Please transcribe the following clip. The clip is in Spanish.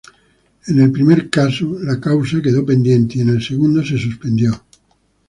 En el primer caso la causa quedó pendiente y en el segundo, se suspendió.